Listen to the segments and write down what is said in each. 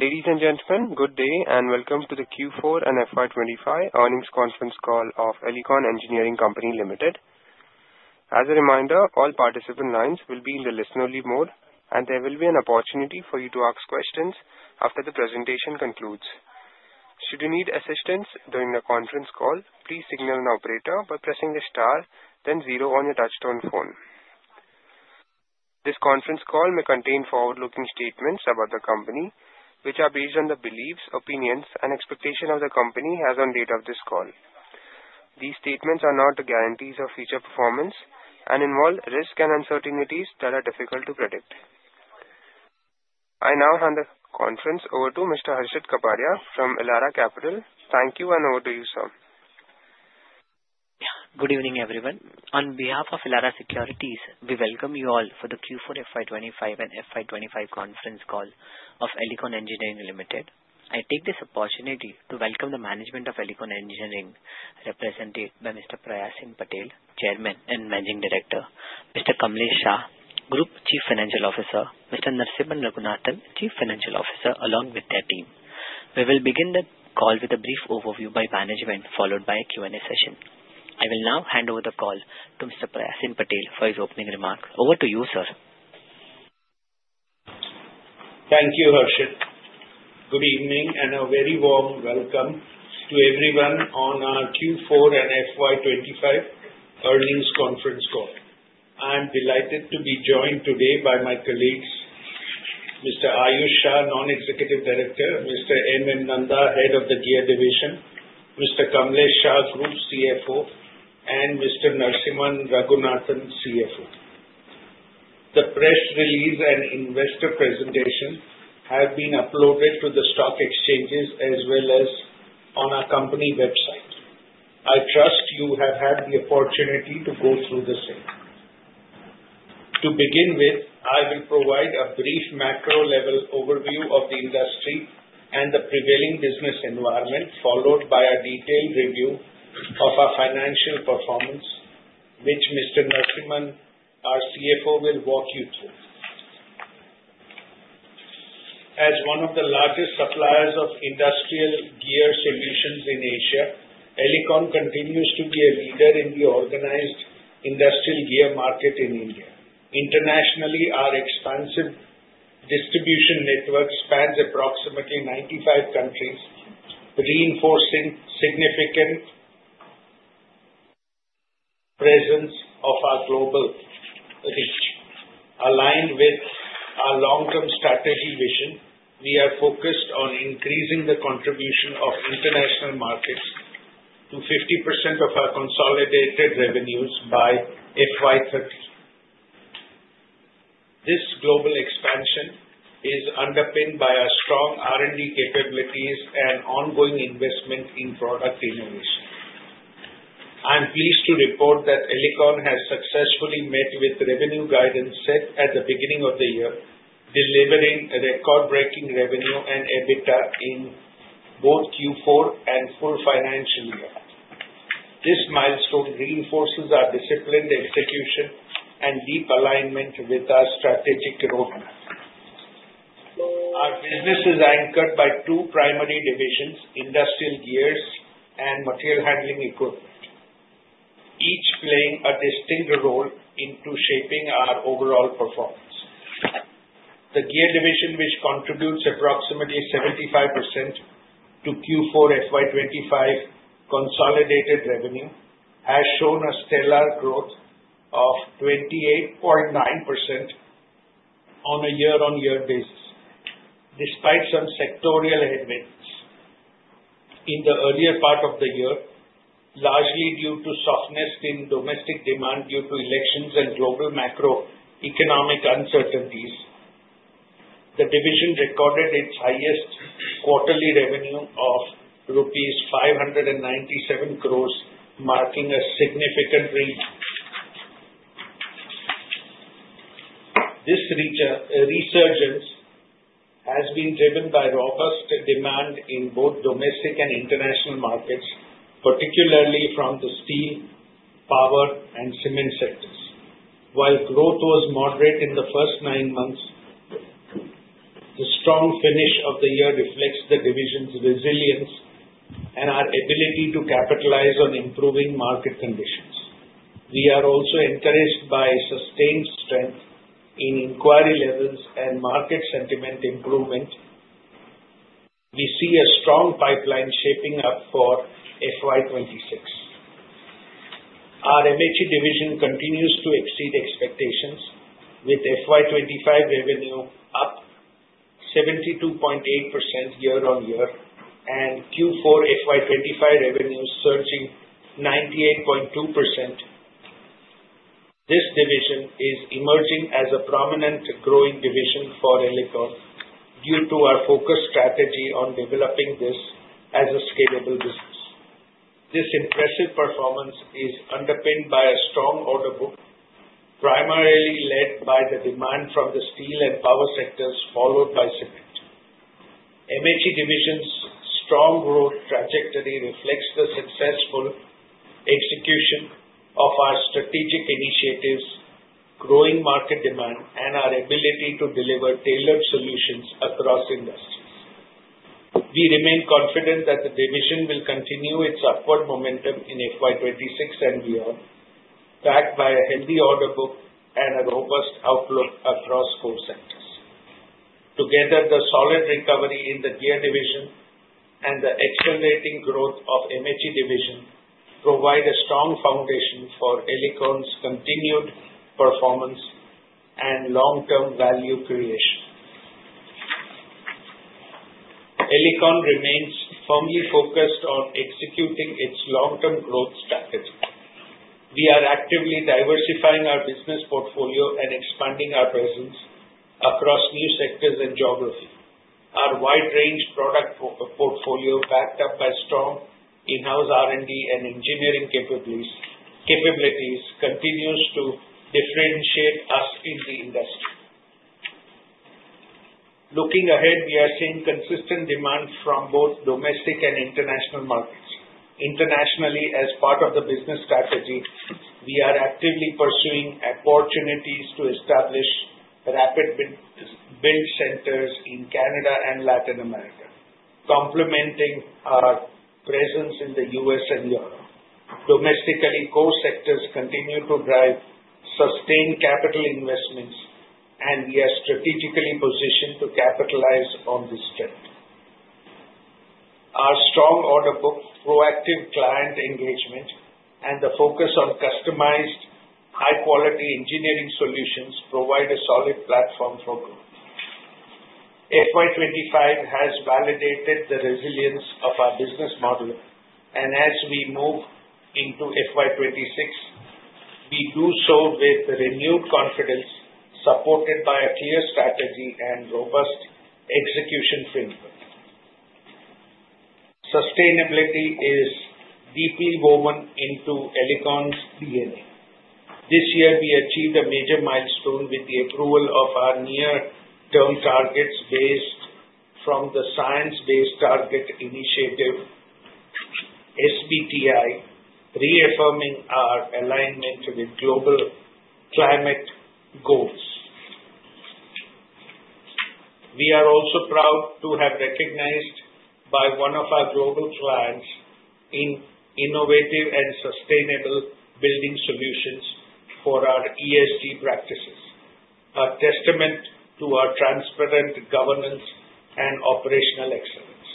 Ladies and gentlemen, good day and welcome to the Q4 and FY 2025 Earnings Conference Call of Elecon Engineering Company Limited. As a reminder, all participant lines will be in the listen-only mode, and there will be an opportunity for you to ask questions after the presentation concludes. Should you need assistance during the conference call, please signal an operator by pressing the star, then zero on your touch-tone phone. This conference call may contain forward-looking statements about the company, which are based on the beliefs, opinions, and expectations of the company as of the date of this call. These statements are not guarantees of future performance and involve risks and uncertainties that are difficult to predict. I now hand the conference over to Mr. Harshit Kapadia from Elara Securities. Thank you, and over to you, sir. Good evening, everyone. On behalf of Elara Securities, we welcome you all for the Q4 FY 2025 and FY 2025 conference call of Elecon Engineering Company Limited. I take this opportunity to welcome the management of Elecon Engineering, represented by Mr. Prayasvin Patel, Chairman and Managing Director; Mr. Kamlesh Shah, Group Chief Financial Officer; Mr. Narasimhan Raghunathan, Chief Financial Officer, along with their team. We will begin the call with a brief overview by management, followed by a Q&A session. I will now hand over the call to Mr. Prayasvin Patel for his opening remarks. Over to you, sir. Thank you, Harshit. Good evening and a very warm welcome to everyone on our Q4 and FY 2025 Earnings Conference Call. I'm delighted to be joined today by my colleagues, Mr. Aayush Shah, Non-Executive Director; Mr. M. M. Nanda, Head of the Gear Division; Mr. Kamlesh Shah, Group CFO; and Mr. Narasimhan Raghunathan, CFO. The press release and investor presentation have been uploaded to the stock exchanges as well as on our company website. I trust you have had the opportunity to go through the same. To begin with, I will provide a brief macro-level overview of the industry and the prevailing business environment, followed by a detailed review of our financial performance, which Mr. Narasimhan, our CFO, will walk you through. As one of the largest suppliers of Industrial Gear solutions in Asia, Elecon continues to be a leader in the organized Industrial Gear market in India. Internationally, our expansive distribution network spans approximately 95 countries, reinforcing the significant presence of our global reach. Aligned with our long-term strategy vision, we are focused on increasing the contribution of international markets to 50% of our consolidated revenues by FY 2030. This global expansion is underpinned by our strong R&D capabilities and ongoing investment in product innovation. I'm pleased to report that Elecon has successfully met with revenue guidance set at the beginning of the year, delivering record-breaking revenue and EBITDA in both Q4 and full financial year. This milestone reinforces our disciplined execution and deep alignment with our strategic roadmap. Our business is anchored by two primary divisions: Industrial Gear and Material Handling Equipment, each playing a distinct role in shaping our overall performance. The Gear Division, which contributes approximately 75% to Q4 FY 2025 consolidated revenue, has shown a stellar growth of 28.9% on a year-on-year basis, despite some sectorial headwinds. In the earlier part of the year, largely due to softness in domestic demand due to elections and global macroeconomic uncertainties, the division recorded its highest quarterly revenue of rupees 597 crore, marking a significant reach. This resurgence has been driven by robust demand in both domestic and international markets, particularly from the steel, power, and cement sectors. While growth was moderate in the first nine months, the strong finish of the year reflects the division's resilience and our ability to capitalize on improving market conditions. We are also encouraged by sustained strength in inquiry levels and market sentiment improvement. We see a strong pipeline shaping up for FY 2026. Our MHE Division continues to exceed expectations, with FY 2025 revenue up 72.8% year-on-year and Q4 FY 2025 revenue surging 98.2%. This division is emerging as a prominent growing division for Elecon due to our focused strategy on developing this as a scalable business. This impressive performance is underpinned by a strong order book, primarily led by the demand from the steel and power sectors, followed by cement. MHE Division's strong growth trajectory reflects the successful execution of our strategic initiatives, growing market demand, and our ability to deliver tailored solutions across industries. We remain confident that the division will continue its upward momentum in FY 2026 and beyond, backed by a healthy order book and a robust outlook across core sectors. Together, the solid recovery in the Gear Division and the accelerating growth of MHE Division provide a strong foundation for Elecon's continued performance and long-term value creation. Elecon remains firmly focused on executing its long-term growth strategy. We are actively diversifying our business portfolio and expanding our presence across new sectors and geography. Our wide-range product portfolio, backed up by strong in-house R&D and engineering capabilities, continues to differentiate us in the industry. Looking ahead, we are seeing consistent demand from both domestic and international markets. Internationally, as part of the business strategy, we are actively pursuing opportunities to establish rapid build centers in Canada and Latin America, complementing our presence in the U.S. and Europe. Domestically, core sectors continue to drive sustained capital investments, and we are strategically positioned to capitalize on this trend. Our strong order book, proactive client engagement, and the focus on customized, high-quality engineering solutions provide a solid platform for growth. FY 2025 has validated the resilience of our business model, and as we move into FY 2026, we do so with renewed confidence, supported by a clear strategy and robust execution framework. Sustainability is deeply woven into Elecon's DNA. This year, we achieved a major milestone with the approval of our near-term targets based from the Science Based Targets initiative, SBTi, reaffirming our alignment with global climate goals. We are also proud to have been recognized by one of our global clients in innovative and sustainable building solutions for our ESG practices, a testament to our transparent governance and operational excellence.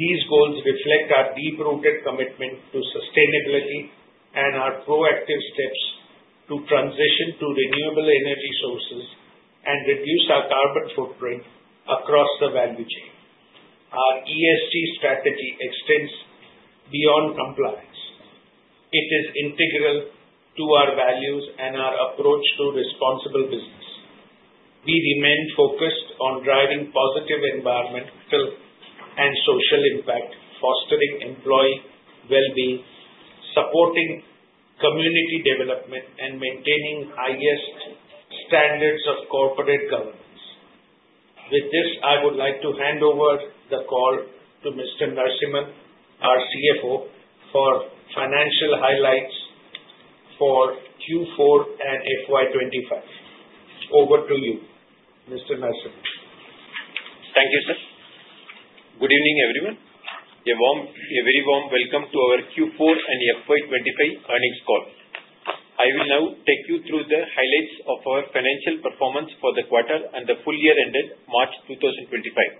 These goals reflect our deep-rooted commitment to sustainability and our proactive steps to transition to renewable energy sources and reduce our carbon footprint across the value chain. Our ESG strategy extends beyond compliance. It is integral to our values and our approach to responsible business. We remain focused on driving positive environmental and social impact, fostering employee well-being, supporting community development, and maintaining the highest standards of corporate governance. With this, I would like to hand over the call to Mr. Narasimhan, our CFO, for financial highlights for Q4 and FY 2025. Over to you, Mr. Narasimhan. Thank you, sir. Good evening, everyone. A very warm welcome to our Q4 and FY 2025 earnings call. I will now take you through the highlights of our financial performance for the quarter and the full year ended March 2025.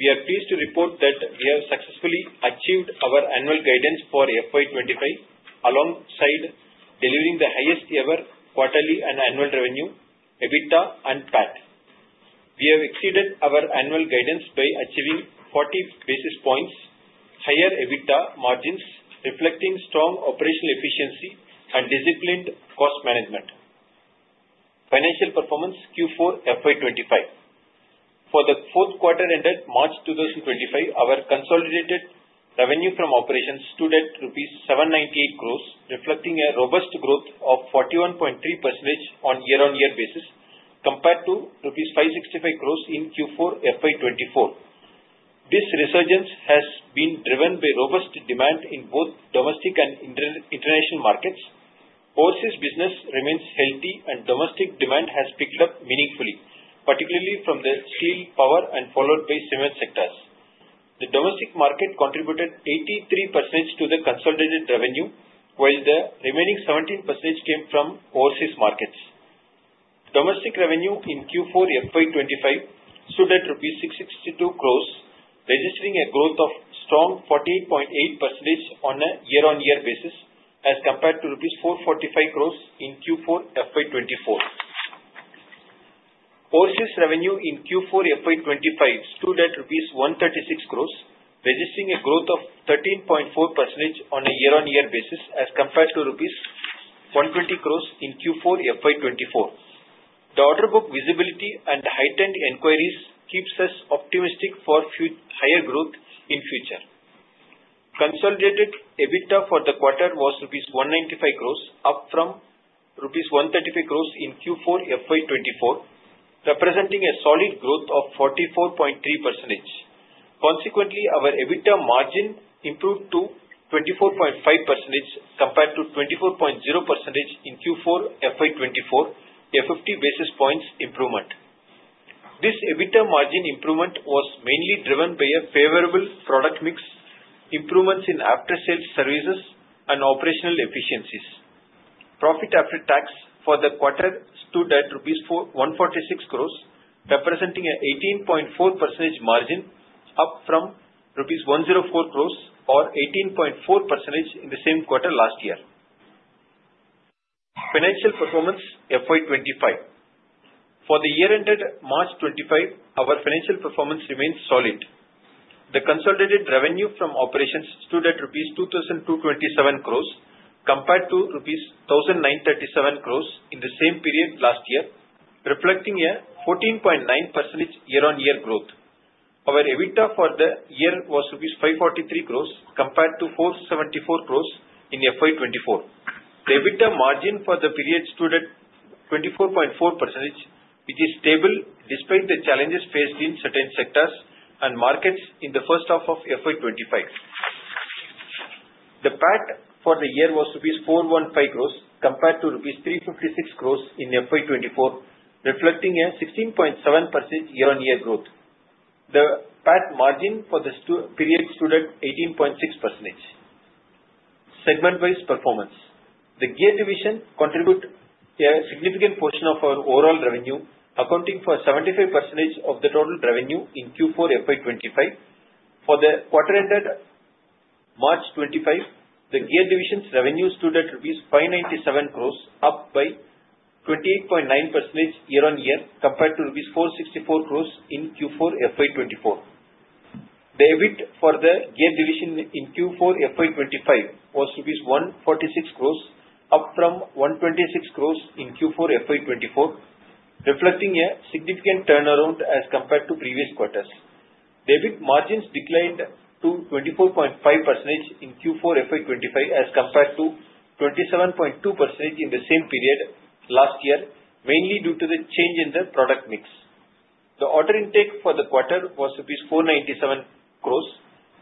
We are pleased to report that we have successfully achieved our annual guidance for FY 2025, alongside delivering the highest-ever quarterly and annual revenue, EBITDA and PAT. We have exceeded our annual guidance by achieving 40 basis points higher EBITDA margins, reflecting strong operational efficiency and disciplined cost management. Financial performance Q4 FY 2025: For the fourth quarter ended March 2025, our consolidated revenue from operations stood at rupees 798 crore, reflecting a robust growth of 41.3% on a year-on-year basis compared to rupees 565 crore in Q4 FY 2024. This resurgence has been driven by robust demand in both domestic and international markets. Overseas business remains healthy, and domestic demand has picked up meaningfully, particularly from the steel, power, and followed by cement sectors. The domestic market contributed 83% to the consolidated revenue, while the remaining 17% came from overseas markets. Domestic revenue in Q4 FY 2025 stood at INR 662 crore, registering a growth of strong 48.8% on a year-on-year basis as compared to rupees 445 crore in Q4 FY 2024. Overseas revenue in Q4 FY 2025 stood at INR 136 crore, registering a growth of 13.4% on a year-on-year basis as compared to rupees 120 crore in Q4 FY 2024. The order book visibility and heightened inquiries keep us optimistic for higher growth in the future. Consolidated EBITDA for the quarter was rupees 195 crore, up from rupees 135 crore in Q4 FY 2024, representing a solid growth of 44.3%. Consequently, our EBITDA margin improved to 24.5% compared to 24.0% in Q4 FY 2024, a 50 basis points improvement. This EBITDA margin improvement was mainly driven by favorable product mix, improvements in after-sales services, and operational efficiencies. Profit after tax for the quarter stood at rupees 146 crore, representing an 18.4% margin, up from rupees 104 crore, or 18.4% in the same quarter last year. Financial performance FY 2025: For the year ended March 2025, our financial performance remained solid. The consolidated revenue from operations stood at rupees 2,227 crore compared to rupees 1,937 crore in the same period last year, reflecting a 14.9% year-on-year growth. Our EBITDA for the year was rupees 543 crore compared to 474 crore in FY 2024. The EBITDA margin for the period stood at 24.4%, which is stable despite the challenges faced in certain sectors and markets in the first half of FY 2025. The PAT for the year was rupees 415 crore compared to rupees 356 crore in FY 2024, reflecting a 16.7% year-on-year growth. The PAT margin for the period stood at 18.6%. Segment-wise performance: The Gear Division contributed a significant portion of our overall revenue, accounting for 75% of the total revenue in Q4 FY 2025. For the quarter ended March 25, the Gear Division's revenue stood at rupees 597 crore, up by 28.9% year-on-year compared to rupees 464 crore in Q4 FY 2024. The EBIT for the Gear Division in Q4 FY 2025 was rupees 146 crore, up from 126 crore in Q4 FY 2024, reflecting a significant turnaround as compared to previous quarters. The EBIT margins declined to 24.5% in Q4 FY 2025 as compared to 27.2% in the same period last year, mainly due to the change in the product mix. The order intake for the quarter was INR 497 crore,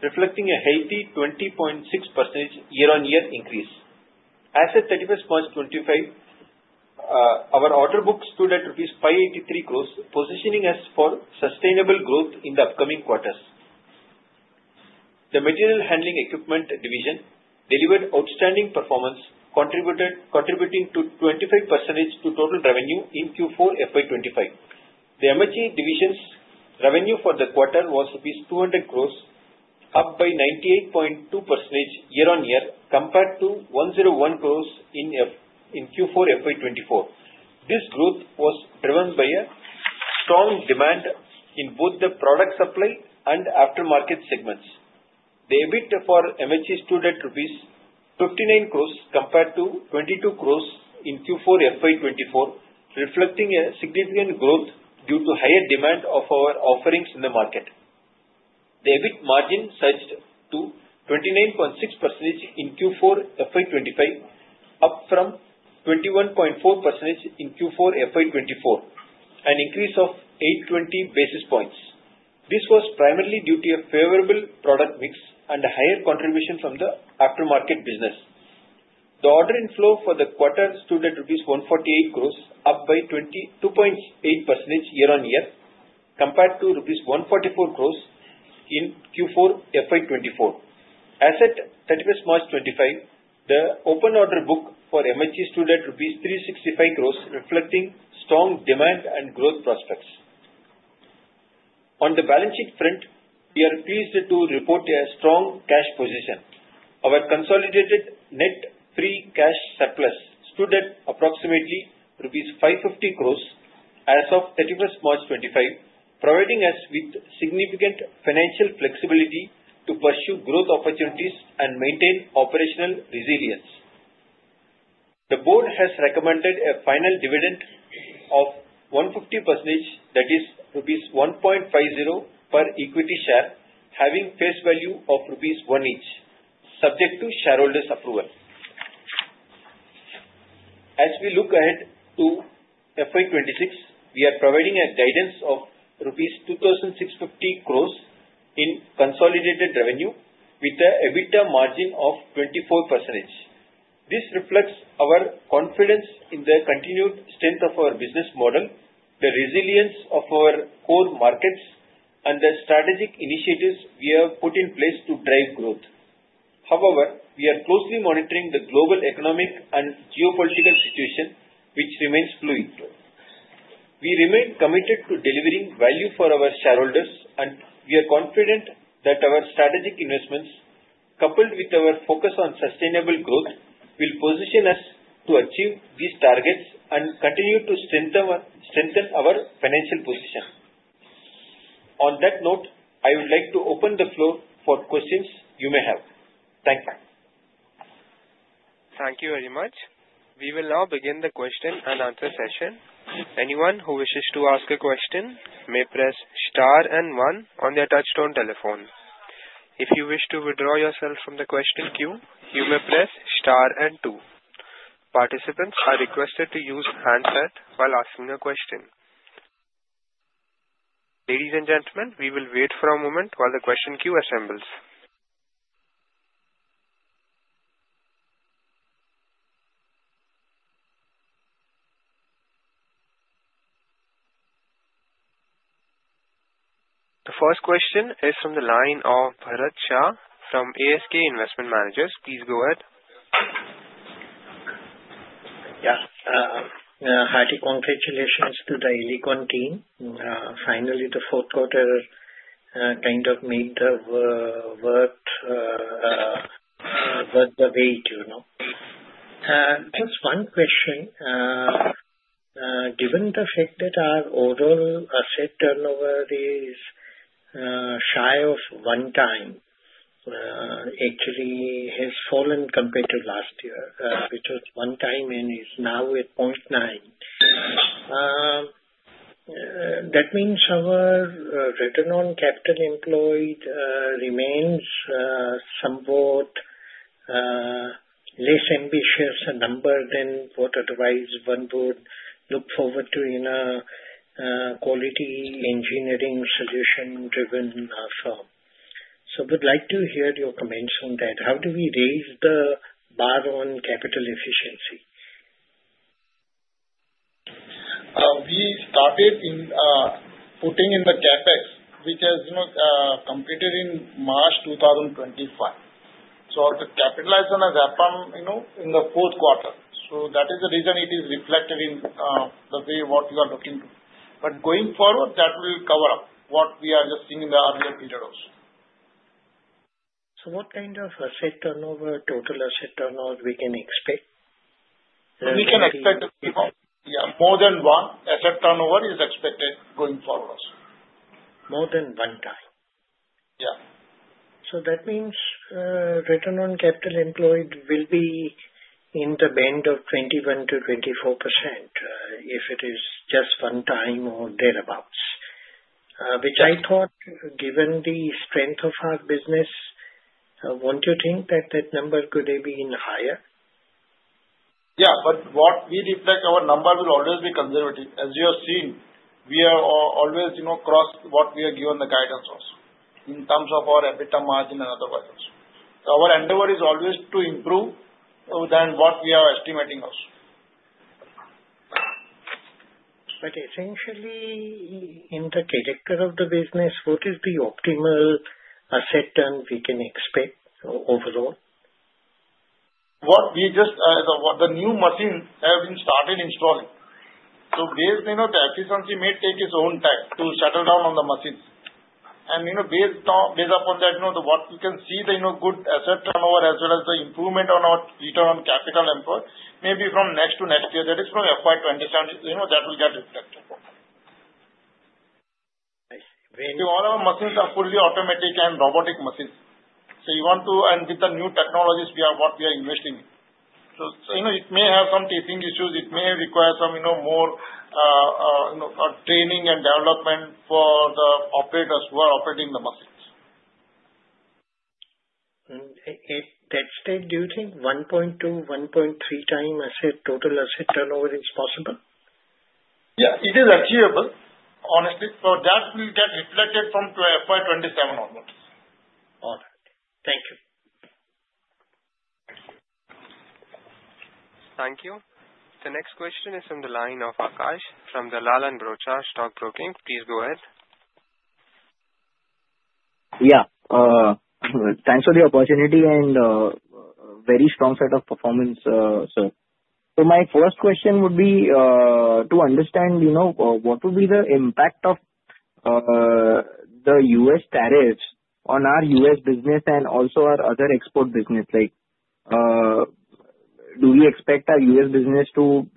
reflecting a healthy 20.6% year-on-year increase. As of 31st March 2025, our order book stood at rupees 583 crore, positioning us for sustainable growth in the upcoming quarters. The Material Handling Equipment Division delivered outstanding performance, contributing 25% to total revenue in Q4 FY 2025. The MHE Division's revenue for the quarter was rupees 200 crore, up by 98.2% year-on-year compared to 101 crore in Q4 FY 2024. This growth was driven by strong demand in both the product supply and aftermarket segments. The EBIT for MHE stood at rupees 59 crore compared to 22 crore in Q4 FY 2024, reflecting a significant growth due to higher demand of our offerings in the market. The EBIT margin surged to 29.6% in Q4 FY 2025, up from 21.4% in Q4 FY 2024, an increase of 820 basis points. This was primarily due to a favorable product mix and higher contribution from the aftermarket business. The order inflow for the quarter stood at rupees 148 crore, up by 22.8% year-on-year compared to rupees 144 crore in Q4 FY 2024. As of 31st March 2025, the open order book for MHE stood at INR 365 crore, reflecting strong demand and growth prospects. On the balance sheet front, we are pleased to report a strong cash position. Our consolidated net free cash surplus stood at approximately 550 crore rupees as of 31st March 2025, providing us with significant financial flexibility to pursue growth opportunities and maintain operational resilience. The Board has recommended a final dividend of 150%, that is rupees 1.50 per equity share, having face value of rupees 1 each, subject to shareholders' approval. As we look ahead to FY 2026, we are providing a guidance of rupees 2,650 crore in consolidated revenue, with an EBITDA margin of 24%. This reflects our confidence in the continued strength of our business model, the resilience of our core markets, and the strategic initiatives we have put in place to drive growth. However, we are closely monitoring the global economic and geopolitical situation, which remains fluid. We remain committed to delivering value for our shareholders, and we are confident that our strategic investments, coupled with our focus on sustainable growth, will position us to achieve these targets and continue to strengthen our financial position. On that note, I would like to open the floor for questions you may have. Thank you. Thank you very much. We will now begin the question and answer session. Anyone who wishes to ask a question may press star and one on their touch-tone telephone. If you wish to withdraw yourself from the question queue, you may press star and two. Participants are requested to use handset while asking a question. Ladies and gentlemen, we will wait for a moment while the question queue assembles. The first question is from the line of Bharat Shah from ASK Investment Managers. Please go ahead. Yeah. Hearty congratulations to the Elecon team. Finally, the fourth quarter kind of made the work worth the wait. Just one question. Given the fact that our overall asset turnover is shy of one time, actually has fallen compared to last year, which was one time, and is now at 0.9. That means our return on capital employed remains somewhat less ambitious a number than what otherwise one would look forward to in a quality engineering solution-driven firm. I would like to hear your comments on that. How do we raise the bar on capital efficiency? We started in putting in the CapEx, which has completed in March 2025. The capitalization has happened in the fourth quarter. That is the reason it is reflected in the way what we are looking to. Going forward, that will cover up what we are just seeing in the earlier period also. What kind of asset turnover, total asset turnover, can we expect? We can expect more than one asset turnover is expected going forward also. More than one time? Yeah. That means return on capital employed will be in the band of 21%-24% if it is just one time or thereabouts, which I thought, given the strength of our business, won't you think that that number could be even higher? Yeah. What we reflect, our number will always be conservative. As you have seen, we are always cross what we are given the guidance also in terms of our EBITDA margin and otherwise also. Our endeavor is always to improve than what we are estimating also. Essentially, in the trajectory of the business, what is the optimal asset turn we can expect overall? What we just the new machines have been started installing. Based on the efficiency, it may take its own time to settle down on the machines. Based upon that, what we can see, the good asset turnover as well as the improvement on our return on capital employed may be from next to next year. That is from FY 2027, that will get reflected. Nice. All our machines are fully automatic and robotic machines. You want to, and with the new technologies we are investing in, it may have some teething issues. It may require some more training and development for the operators who are operating the machines. At that stage, do you think 1.2x-1.3x total asset turnover is possible? Yeah. It is achievable, honestly. That will get reflected from FY 2027 onwards. All right. Thank you. Thank you. The next question is from the line of Akash from Dalal & Broacha Stock Broking. Please go ahead. Yeah. Thanks for the opportunity and very strong set of performance, sir. My first question would be to understand what would be the impact of the U.S. tariffs on our U.S. business and also our other export business? Do we expect our U.S. business to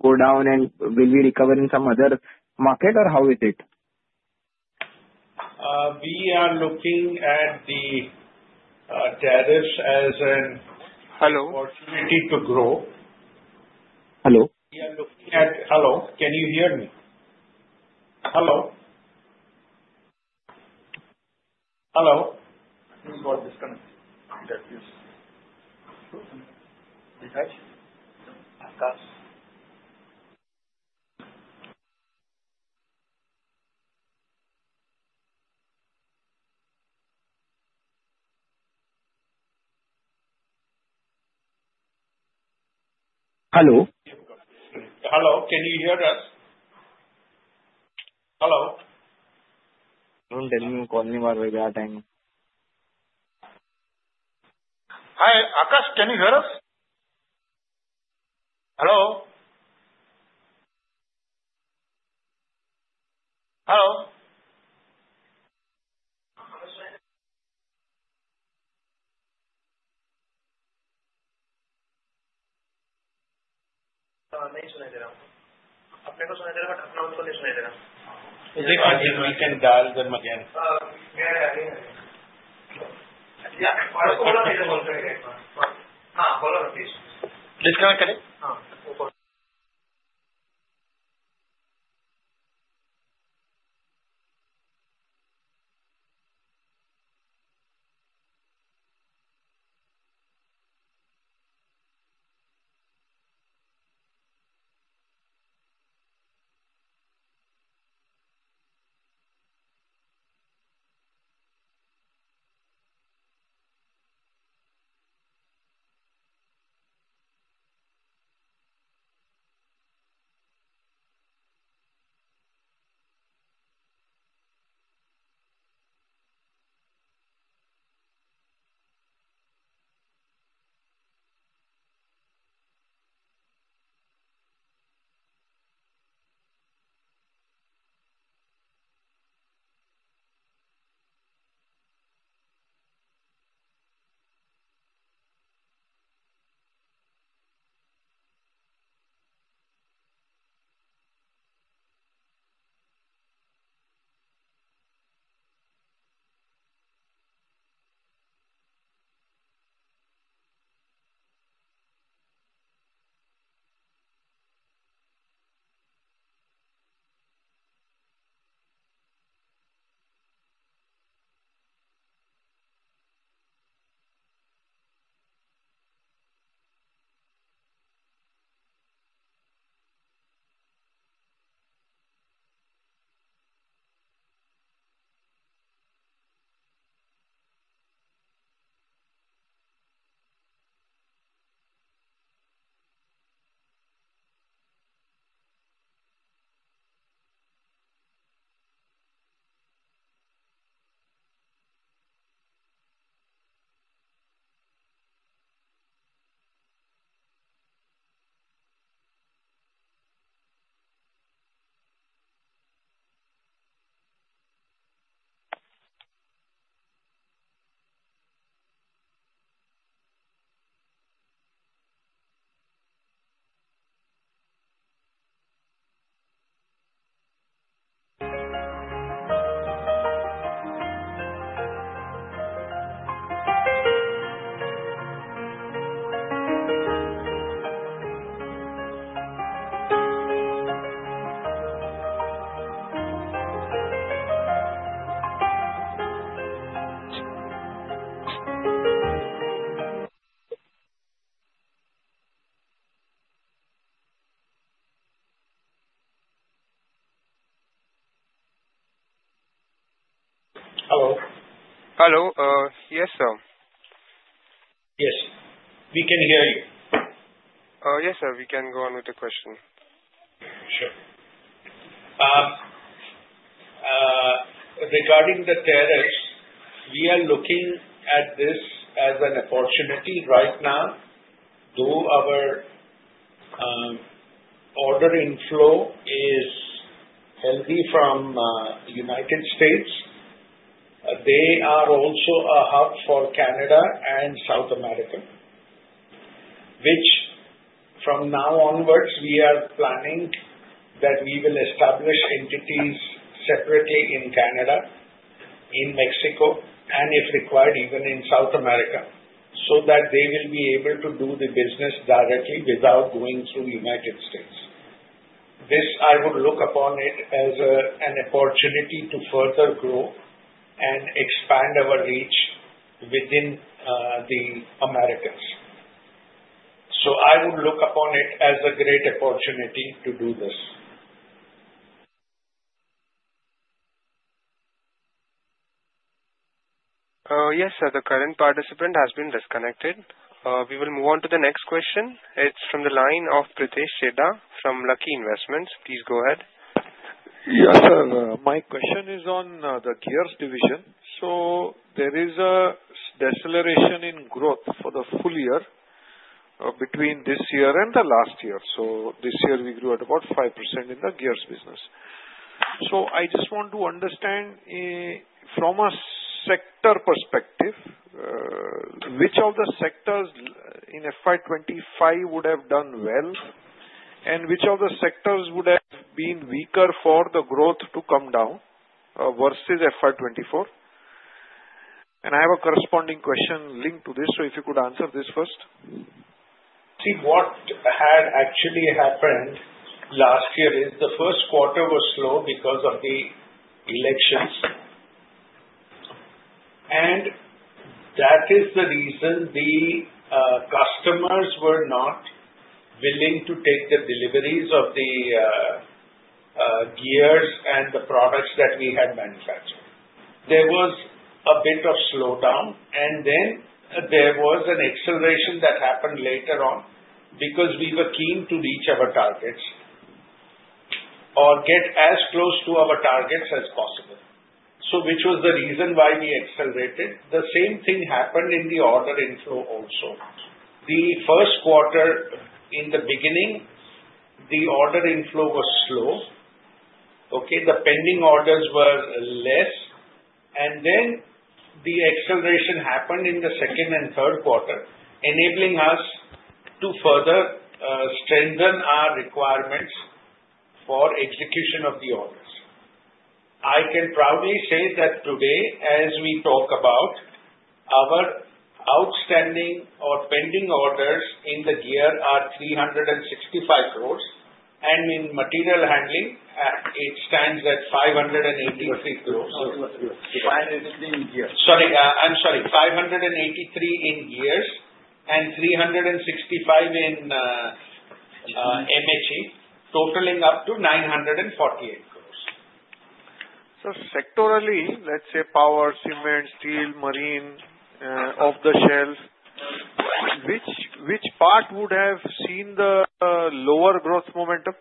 go down, and will we recover in some other market, or how is it? We are looking at the tariffs as an opportunity to grow. Hello? We are looking at hello? Can you hear me? Hello? Hello? Please go ahead and disconnect. Hello? Hello. Can you hear us? Hello? I don't think we're calling you while we've got time. Hi. Akash, can you hear us? Hello? Hello? Hello? Hello. Yes, sir? Yes. We can hear you. Yes, sir. We can go on with the question. Sure. Regarding the tariffs, we are looking at this as an opportunity right now. Though our order inflow is healthy from the United States, they are also a hub for Canada and South America, which from now onwards, we are planning that we will establish entities separately in Canada, in Mexico, and if required, even in South America so that they will be able to do the business directly without going through the United States. This, I would look upon it as an opportunity to further grow and expand our reach within the Americas. I would look upon it as a great opportunity to do this. Yes, sir. The current participant has been disconnected. We will move on to the next question. It's from the line of Pritesh Chheda from Lucky Investments. Please go ahead. Yes, sir. My question is on the Gear Division. There is a deceleration in growth for the full year between this year and the last year. This year, we grew at about 5% in the gears business. I just want to understand from a sector perspective, which of the sectors in FY 2025 would have done well, and which of the sectors would have been weaker for the growth to come down versus FY 2024? I have a corresponding question linked to this, if you could answer this first. See, what had actually happened last year is the first quarter was slow because of the elections. That is the reason the customers were not willing to take the deliveries of the gears and the products that we had manufactured. There was a bit of slowdown, and then there was an acceleration that happened later on because we were keen to reach our targets or get as close to our targets as possible. Which was the reason why we accelerated. The same thing happened in the order inflow also. The first quarter, in the beginning, the order inflow was slow. Okay? The pending orders were less. Then the acceleration happened in the second and third quarter, enabling us to further strengthen our requirements for execution of the orders. I can proudly say that today, as we talk about, our outstanding or pending orders in the gear are 365 crore, and in material handling, it stands at 583 crore. 583 in gears. Sorry. I'm sorry. 583 in gears and 365 in MHE, totaling up to 948. Sectorally, let's say power, cement, steel, marine, off-the-shelf, which part would have seen the lower growth momentum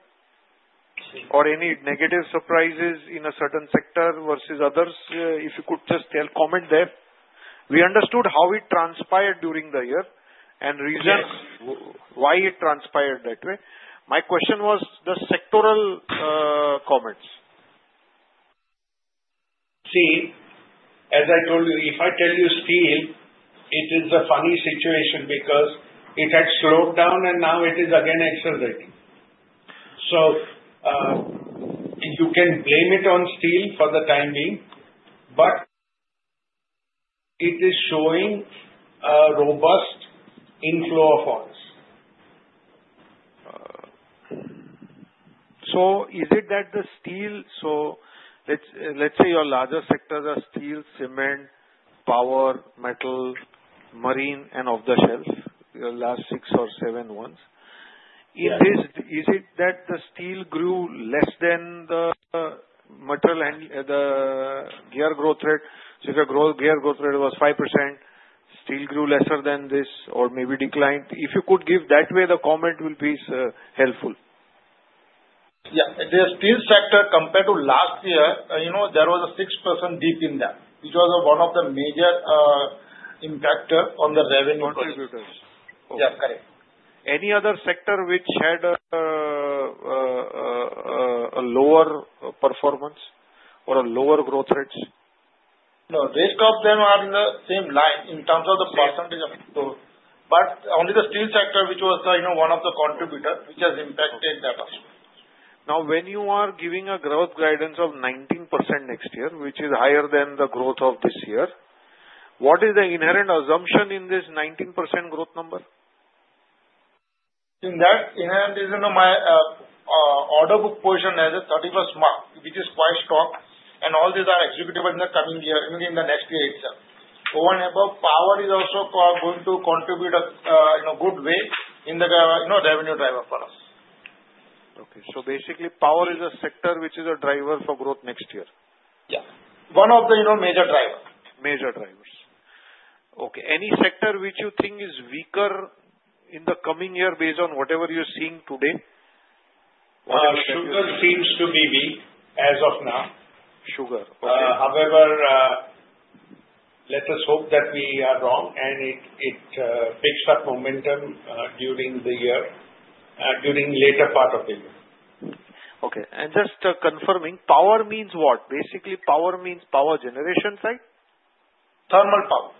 or any negative surprises in a certain sector versus others? If you could just tell, comment there. We understood how it transpired during the year and reasons why it transpired that way. My question was the sectoral comments. See, as I told you, if I tell you steel, it is a funny situation because it had slowed down, and now it is again accelerating. You can blame it on steel for the time being, but it is showing a robust inflow of orders. Is it that the steel, so let's say your larger sectors are steel, cement, power, metal, marine, and off-the-shelf, your last six or seven ones. Is it that the steel grew less than the gear growth rate? If your gear growth rate was 5%, steel grew less than this or maybe declined. If you could give that way, the comment will be helpful. Yeah. The steel sector, compared to last year, there was a 6% dip in that, which was one of the major impactors on the revenue growth. Contributors. Yeah. Correct. Any other sector which had a lower performance or a lower growth rates? No. Rest of them are the same line in terms of the percentage of growth. Only the steel sector, which was one of the contributors, which has impacted that also. Now, when you are giving a growth guidance of 19% next year, which is higher than the growth of this year, what is the inherent assumption in this 19% growth number? In that, inherent is in my order book position as of 31st March, which is quite strong. All these are executable in the coming year, in the next year itself. Oh, and above, power is also going to contribute in a good way in the revenue driver for us. Okay. So basically, power is a sector which is a driver for growth next year. Yeah. One of the major drivers. Major drivers. Okay. Any sector which you think is weaker in the coming year based on whatever you're seeing today? Sugar seems to be weak as of now. Sugar. Okay. However, let us hope that we are wrong, and it picks up momentum during the year, during later part of the year. Okay. Just confirming, power means what? Basically, power means power generation site? Thermal power.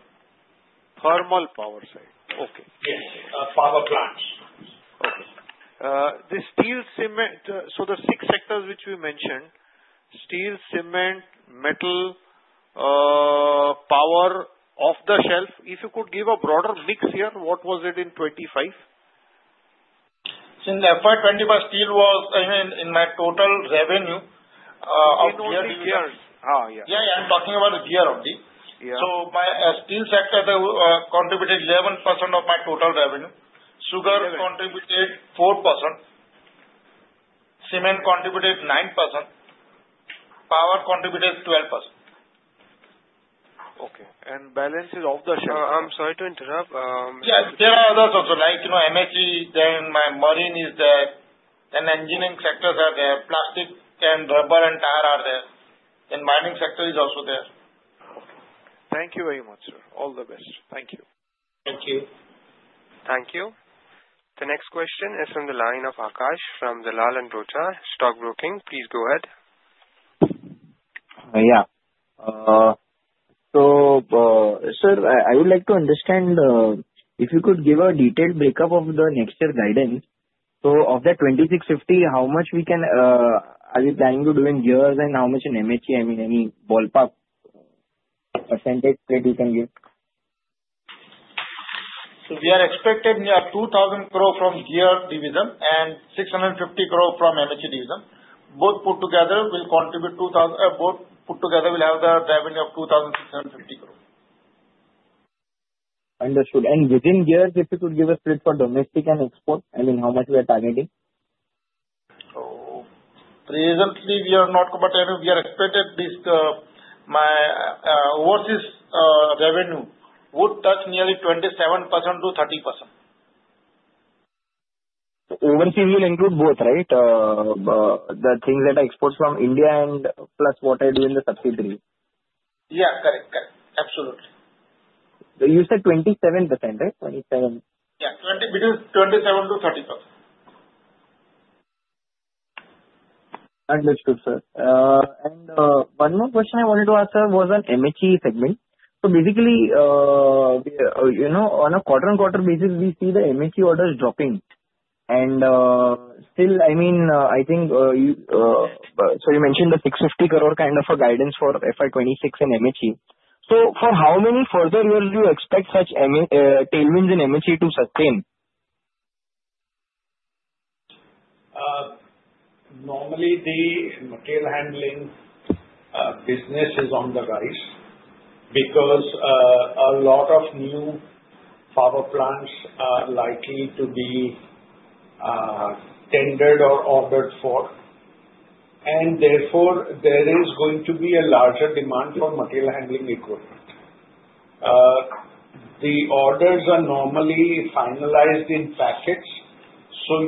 Thermal power site. Okay. Yes. Power plants. Okay. The steel, cement, so the six sectors which we mentioned: steel, cement, metal, power, off-the-shelf. If you could give a broader mix here, what was it in 2025? In the FY 2025, steel was in my total revenue of year to year. In all these years. Yeah. I'm talking about year only. My steel sector contributed 11% of my total revenue. Sugar contributed 4%. Cement contributed 9%. Power contributed 12%. Okay. The balance is off-the-shelf. I'm sorry to interrupt. Yeah. There are others also, like MHE. Then marine is there. Then engineering sectors are there. Plastic and rubber and tire are there. Then mining sector is also there. Okay. Thank you very much, sir. All the best. Thank you. Thank you. Thank you. The next question is from the line of Akash from Dalal & Broacha Stock Broking. Please go ahead. Yeah. Sir, I would like to understand if you could give a detailed breakup of the next year guidance. Of the 2,650, how much are we planning to do in gears and how much in MHE? I mean, any ballpark percentage rate you can give? We are expecting 2,000 crore from Gear Division and 650 crore from MHE Division. Both put together will have the revenue of 2,650 crore. Understood. Within gears, if you could give a split for domestic and export, I mean, how much we are targeting? Presently, we are not comparative. We are expecting overseas revenue would touch nearly 27%-30%. Overseas will include both, right? The things that are exports from India and plus what I do in the subsidiary? Yeah. Correct. Correct. Absolutely. You said 27%, right? 27%? Yeah. Between 27%-30%. Understood, sir. One more question I wanted to ask was on the MHE segment. Basically, on a quarter-on-quarter basis, we see the MHE orders dropping. Still, I think you mentioned the 650 crore kind of guidance for FY 2026 in MHE. For how many further years do you expect such tailwinds in MHE to sustain? Normally, the material handling business is on the rise because a lot of new power plants are likely to be tendered or ordered for. Therefore, there is going to be a larger demand for Material Handling Equipment. The orders are normally finalized in packets.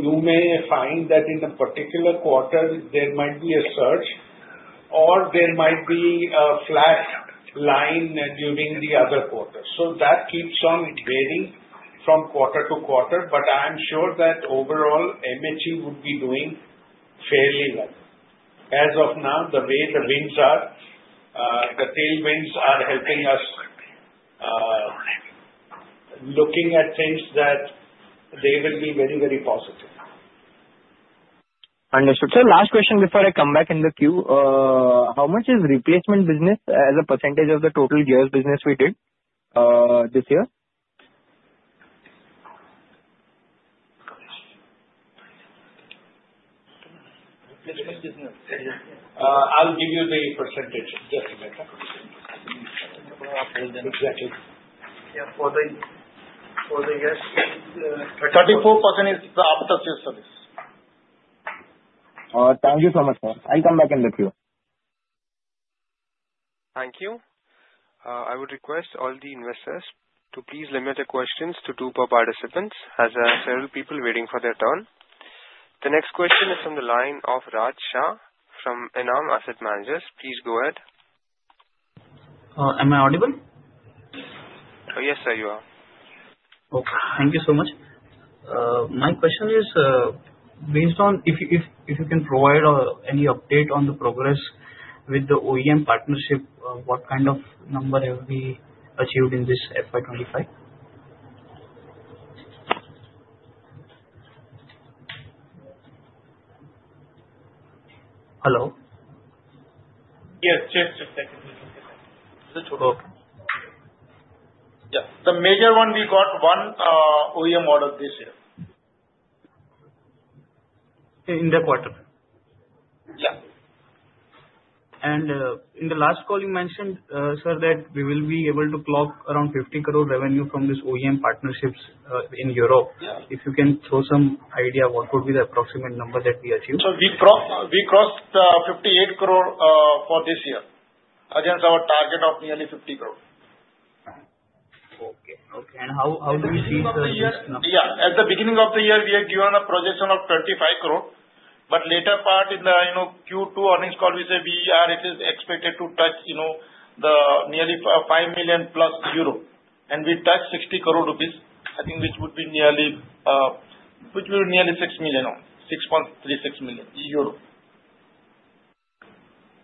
You may find that in a particular quarter, there might be a surge, or there might be a flat line during the other quarter. That keeps on varying from quarter to quarter. I am sure that overall, MHE would be doing fairly well. As of now, the way the winds are, the tailwinds are helping us looking at things that they will be very, very positive. Understood. Sir, last question before I come back in the queue. How much is replacement business as a percentage of the total gears business we did this year? I'll give you the percentage. Just a minute. Exactly. Yeah. For the gears, 34% is after-sales service. Thank you so much, sir. I'll come back in the queue. Thank you. I would request all the investors to please limit their questions to two per participant as there are several people waiting for their turn. The next question is from the line of Raj Shah from Enam Asset Management. Please go ahead. Am I audible? Yes, sir, you are. Okay. Thank you so much. My question is based on if you can provide any update on the progress with the OEM partnership, what kind of number have we achieved in this FY 2025? Hello? Yes. Just a second. Just a second. Okay. Yeah. The major one, we got one OEM order this year. In the quarter? Yeah. In the last call, you mentioned, sir, that we will be able to clock around 50 crore revenue from this OEM partnerships in Europe. If you can throw some idea, what would be the approximate number that we achieved? We crossed 58 crore for this year against our target of nearly 50 crore. Okay. Okay. How do you see the? Yeah. At the beginning of the year, we had given a projection of 35 crore. Later part in the Q2 earnings call, we said we are expected to touch nearly 5 million euro+. We touched 60 crore rupees, I think, which would be nearly 6 million or 6.36 million euro.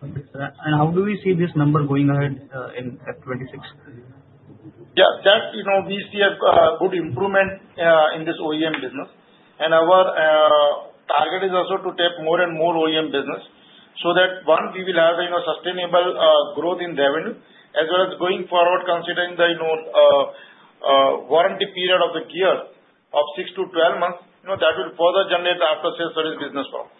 Okay, sir. How do we see this number going ahead in FY 2026? Yeah. We see a good improvement in this OEM business. Our target is also to tap more and more OEM business so that, one, we will have sustainable growth in revenue as well as going forward, considering the warranty period of the six to 12 months, that will further generate after-sales service business for us.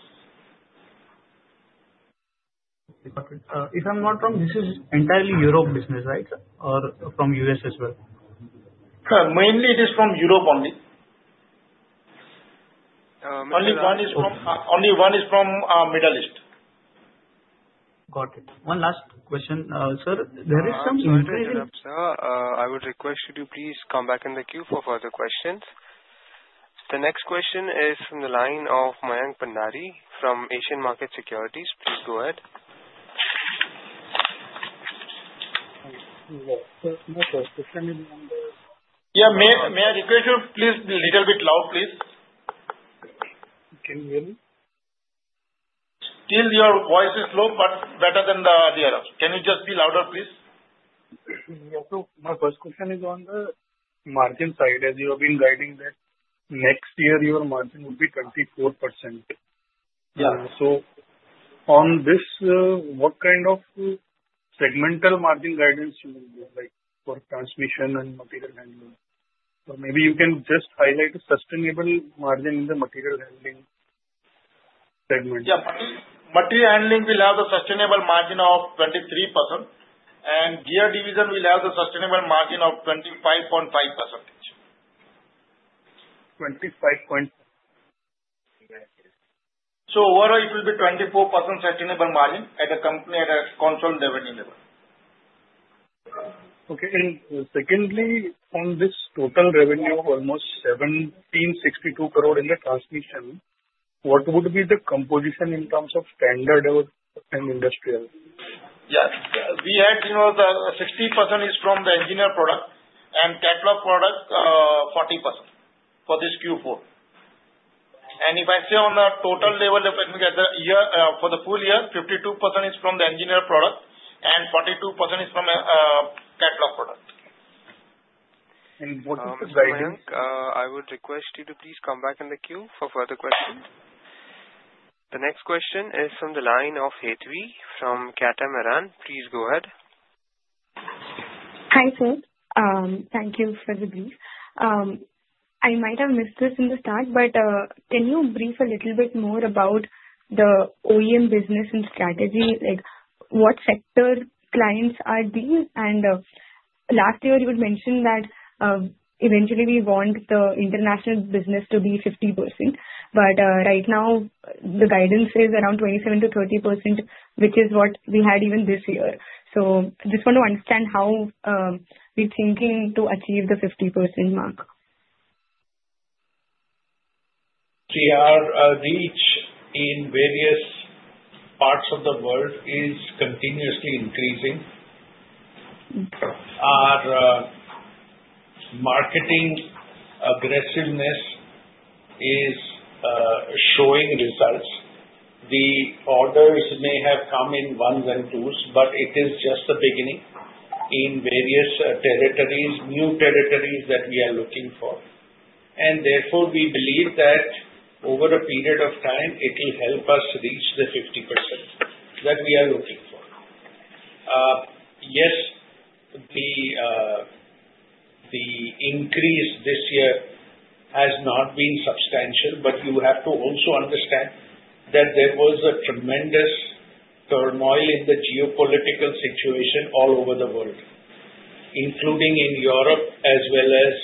If I'm not wrong, this is entirely Europe business, right, or from U.S. as well? Mainly, it is from Europe only. Middle East? Only one is from Middle East. Got it. One last question, sir. There is some intermittent. Sir, I would request you to please come back in the queue for further questions. The next question is from the line of Mayank Bhandari from Asian Markets Securities. Please go ahead. Yeah. May I request you to please be a little bit loud, please? Can you hear me? Still, your voice is low but better than the other ones. Can you just be louder, please? Yeah. My first question is on the margin side. As you have been guiding that next year, your margin would be 24%. On this, what kind of segmental margin guidance will you give for transmission and material handling? Or maybe you can just highlight sustainable margin in the material handling segment. Yeah. Material handling will have a sustainable margin of 23%. Gear division will have the sustainable margin of 25.5%. 25.5%. Overall, it will be 24% sustainable margin at a consolidated revenue level. Okay. Secondly, on this total revenue of almost 1,762 crore in the transmission, what would be the composition in terms of standard and industrial? Yeah. We had the 60% is from the engineer product and catalog product 40% for this Q4. If I say on the total level of the full year, 52% is from the engineer product and 42% is from catalog product. What is the guidance? I would request you to please come back in the queue for further questions. The next question is from the line of Hetvee from Catamaran. Please go ahead. Hi, sir. Thank you for the brief. I might have missed this in the start, but can you brief a little bit more about the OEM business and strategy? What sector clients are these? Last year, you had mentioned that eventually, we want the international business to be 50%. Right now, the guidance is around 27%-30%, which is what we had even this year. I just want to understand how we're thinking to achieve the 50% mark. See, our reach in various parts of the world is continuously increasing. Our marketing aggressiveness is showing results. The orders may have come in ones and twos, but it is just the beginning in various territories, new territories that we are looking for. Therefore, we believe that over a period of time, it will help us reach the 50% that we are looking for. Yes, the increase this year has not been substantial, but you have to also understand that there was a tremendous turmoil in the geopolitical situation all over the world, including in Europe as well as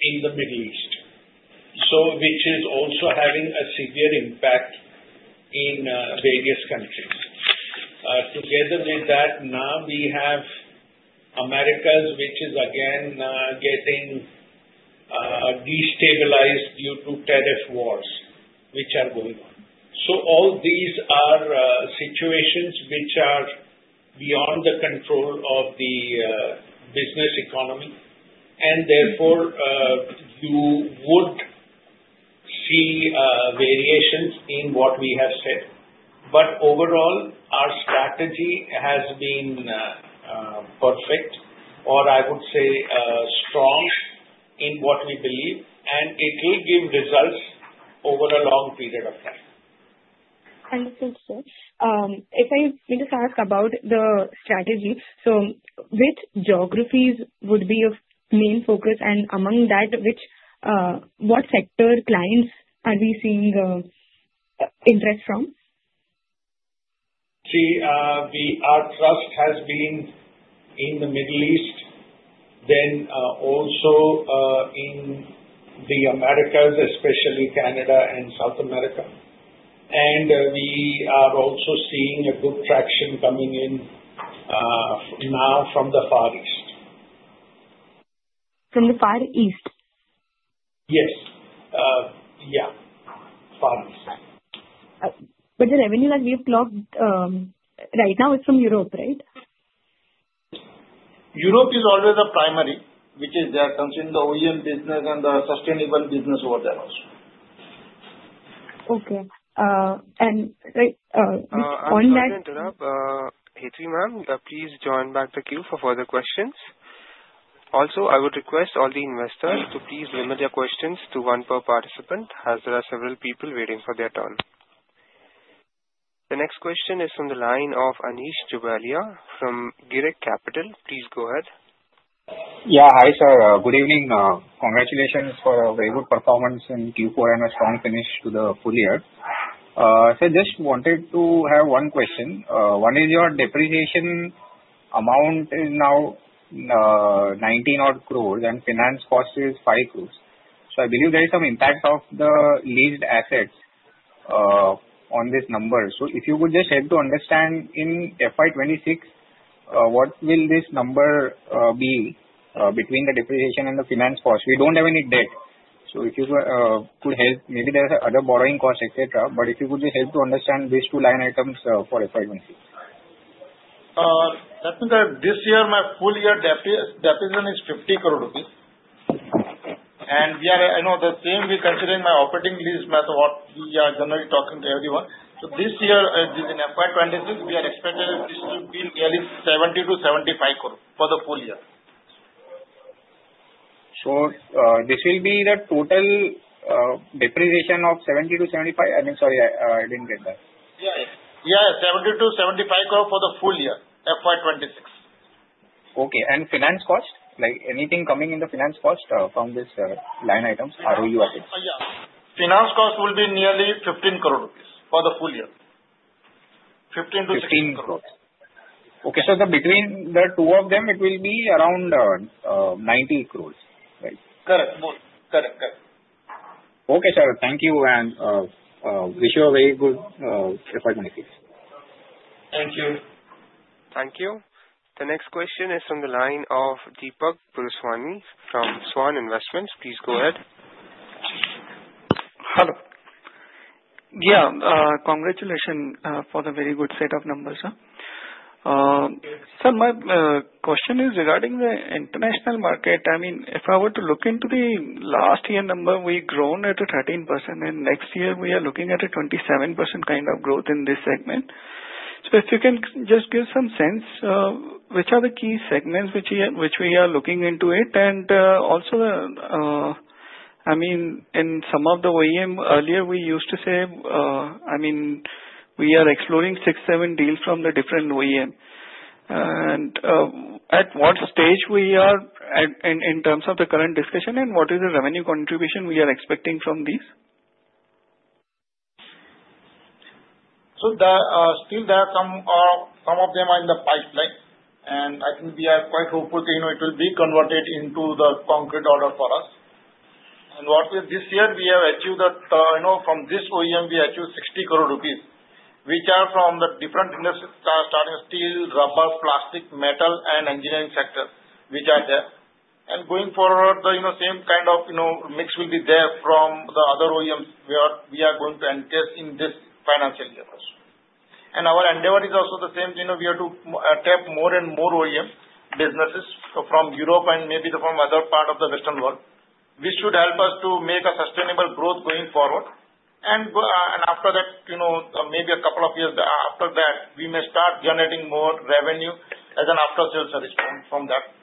in the Middle East, which is also having a severe impact in various countries. Together with that, now we have America, which is again getting destabilized due to tariff wars which are going on. All these are situations which are beyond the control of the business economy. Therefore, you would see variations in what we have said. Overall, our strategy has been perfect, or I would say strong in what we believe, and it will give results over a long period of time. Thank you, sir. If I may just ask about the strategy. Which geographies would be of main focus? Among that, what sector clients are we seeing interest from? See, our trust has been in the Middle East, then also in the Americas, especially Canada and South America. We are also seeing a good traction coming in now from the Far East. From the Far East? Yes. Yeah. Far East. The revenue that we've clocked right now is from Europe, right? Europe is always a primary, which is there, comes in the OEM business and the sustainable business over there also. Okay. On that. I'm going to interrupt. Hetvee Ma'am, please join back the queue for further questions. Also, I would request all the investors to please limit their questions to one per participant as there are several people waiting for their turn. The next question is from the line of Anish Jobalia from Girik Capital. Please go ahead. Yeah. Hi, sir. Good evening. Congratulations for a very good performance in Q4 and a strong finish to the full year. I just wanted to have one question. One is your depreciation amount is now 19 crore and finance cost is 5 crore. I believe there is some impact of the leased assets on this number. If you could just help to understand in FY 2026, what will this number be between the depreciation and the finance cost? We do not have any debt. If you could help, maybe there are other borrowing costs, etc. If you could just help to understand these two line items for FY 2026. That means that this year, my full year depreciation is 50 crore rupees. We are the same, we considering my operating lease, what we are generally talking to everyone. This year, in FY 2026, we are expecting this to be nearly 70 crore-75 crore for the full year. This will be the total depreciation of 70 crore-75 crore? I mean, sorry, I didn't get that. Yeah. Yeah. 70 crore-75 crore for the full year, FY 2026. Okay. Finance cost? Anything coming in the finance cost from these line items, ROU assets? Yeah. Finance cost will be nearly 15 crore rupees for the full year. 15 crore-16 crore. Okay. Between the two of them, it will be around 90 crore, right? Correct. Both. Correct. Correct. Okay, sir. Thank you. I wish you a very good FY 2026. Thank you. Thank you. The next question is from the line of Deepak Purswani from Svan Investment. Please go ahead. Hello. Yeah. Congratulations for the very good set of numbers, sir. Sir, my question is regarding the international market. I mean, if I were to look into the last year number, we've grown at a 13%, and next year, we are looking at a 27% kind of growth in this segment. If you can just give some sense, which are the key segments which we are looking into it? I mean, in some of the OEM, earlier, we used to say, I mean, we are exploring six, seven deals from the different OEM. At what stage are we in terms of the current discussion, and what is the revenue contribution we are expecting from these? Still, some of them are in the pipeline. I think we are quite hopeful it will be converted into the concrete order for us. This year, we have achieved that from this OEM, we achieved 60 crore rupees, which are from the different industries starting steel, rubber, plastic, metal, and engineering sectors, which are there. Going forward, the same kind of mix will be there from the other OEMs we are going to entice in this financial year also. Our endeavor is also the same. We are to tap more and more OEM businesses from Europe and maybe from other parts of the Western world, which should help us to make a sustainable growth going forward. After that, maybe a couple of years after that, we may start generating more revenue as an after-sales service from that.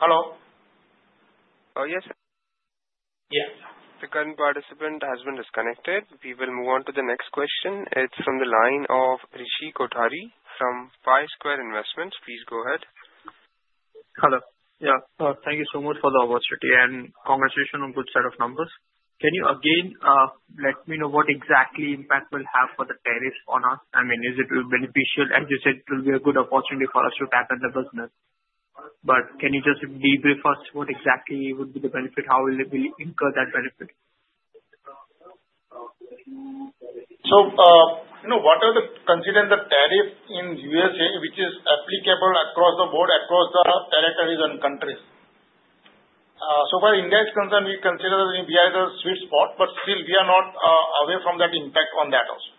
Hello. Hello? Oh, yes, sir. Yeah. The current participant has been disconnected. We will move on to the next question. It's from the line of Rishi Kothari from Pi Square Investments. Please go ahead. Hello. Yeah. Thank you so much for the opportunity and congratulations on a good set of numbers. Can you again let me know what exactly impact will have for the tariff on us? I mean, is it beneficial? As you said, it will be a good opportunity for us to tap into the business. Can you just debrief us what exactly would be the benefit? How will we incur that benefit? Considering the tariff in the U.S.A., which is applicable across the board, across the territories and countries, so far as India is concerned, we consider that we are at a sweet spot, but still, we are not away from that impact on that also.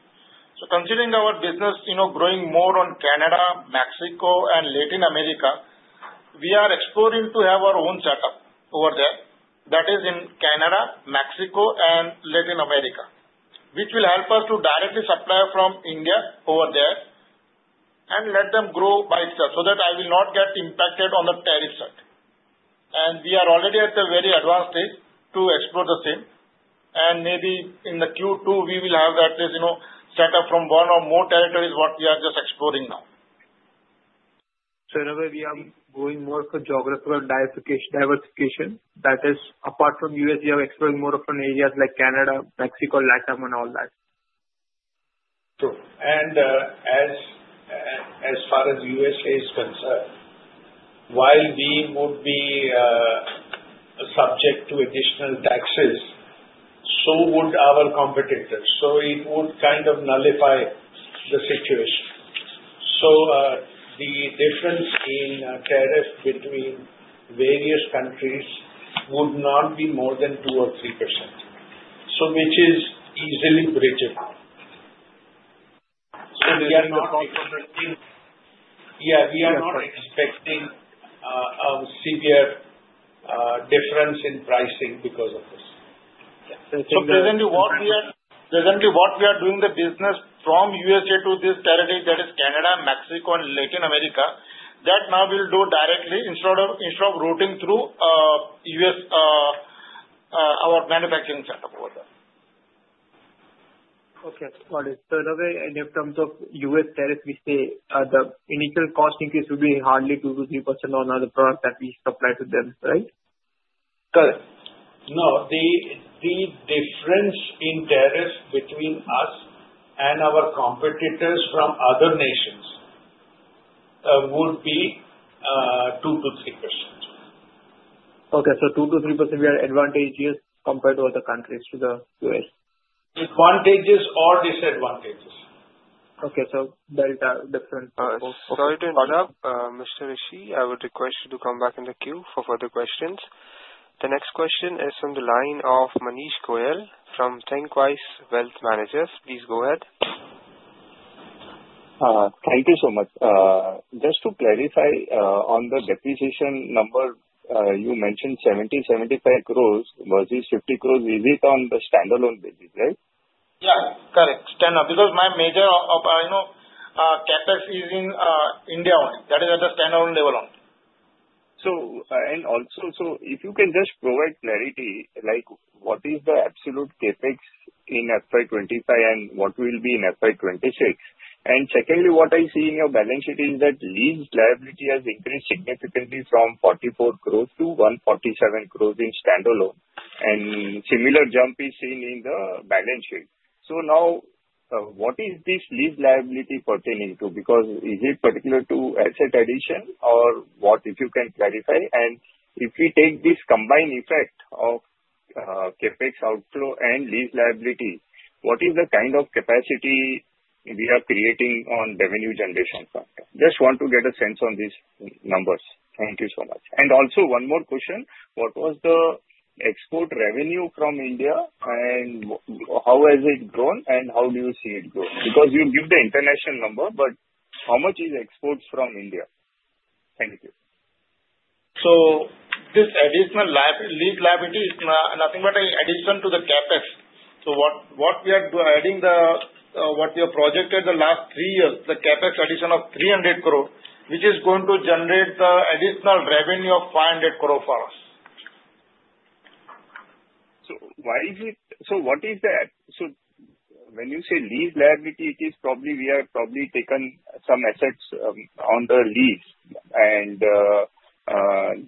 Considering our business growing more in Canada, Mexico, and Latin America, we are exploring to have our own setup over there. That is in Canada, Mexico, and Latin America, which will help us to directly supply from India over there and let them grow by itself so that I will not get impacted on the tariff side. We are already at a very advanced stage to explore the same. Maybe in Q2, we will have that setup from one or more territories we are just exploring now. In a way, we are going more for geographical diversification. That is, apart from the U.S., we are exploring more from areas like Canada, Mexico, Latam, and all that. Sure. As far as the U.S.A. is concerned, while we would be subject to additional taxes, so would our competitors. It would kind of nullify the situation. The difference in tariff between various countries would not be more than 2%-3%, which is easily breachable. We are not expecting a severe difference in pricing because of this. Presently, what we are doing the business from the U.S. to this territory, that is Canada, Mexico, and Latin America, that now we'll do directly instead of routing through our manufacturing setup over there. Okay. Got it. In a way, in terms of U.S. tariff, we say the initial cost increase will be hardly 2%-3% on other products that we supply to them, right? Correct. No, the difference in tariff between us and our competitors from other nations would be 2%-3%. Okay. So 2%-3%, we are advantageous compared to other countries to the U.S.? Advantages or disadvantages. Okay. There is a difference. Sorry to interrupt. Mr. Rishi, I would request you to come back in the queue for further questions. The next question is from the line of Manish Goyal from Thinqwise Wealth Managers. Please go ahead. Thank you so much. Just to clarify on the depreciation number, you mentioned 70 crore-75 crore versus 50 crore. Is it on the standalone basis, right? Yeah. Correct. Because my major CapEx is in India only. That is at the standalone level only. If you can just provide clarity, what is the absolute CapEx in FY 2025 and what will be in FY 2026? Secondly, what I see in your balance sheet is that leased liability has increased significantly from 44 crore to 147 crore in standalone. A similar jump is seen in the balance sheet. What is this leased liability pertaining to? Is it particular to asset addition or what? If you can clarify. If we take this combined effect of CapEx outflow and leased liability, what is the kind of capacity we are creating on the revenue generation front? I just want to get a sense on these numbers. Thank you so much. One more question. What was the export revenue from India, how has it grown, and how do you see it growing? Because you give the international number, but how much is exports from India? Thank you. This additional leased liability is nothing but an addition to the CapEx. What we are adding, what we have projected the last three years, the CapEx addition of 300 crore, which is going to generate the additional revenue of 500 crore for us. When you say leased liability, it is probably we have probably taken some assets on the lease. And